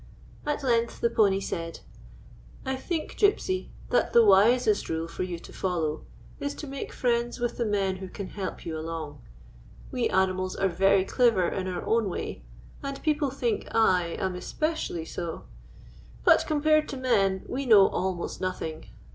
At length the pony said :" I think, Gypsy, that the wisest rule for you to follow is to make friends with the men who can help you along. We animals are very clever in our own way, and people think I am especially so. But, compared to men, we know almost nothing.